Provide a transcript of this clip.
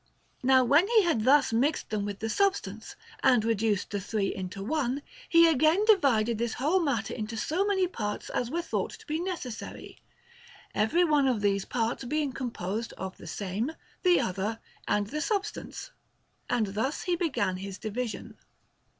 Now when he had thus mixed th'.m with the Substance, and reduced the three into one, he again divided this whole matter into so many parts as were thought to be necessary ; every one of these parts being composed of the Same, the Other, and the Substance And thus he began his division."